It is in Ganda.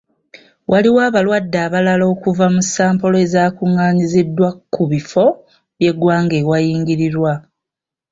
Waliwo abalwadde abalala okuva mu sampolo ezaakungaanyiziddwa ku bifo by'eggwanga ewayingirirwa.